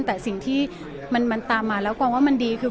แต่สิ่งที่มันตามมาแล้วกองว่ามันดีคือ